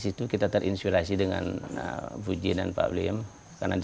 jadi kita berkutang kita saling mengantikan produk ini